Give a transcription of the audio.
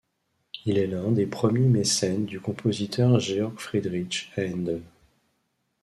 Il est l'un des premiers mécènes du compositeur Georg Friedrich Haendel.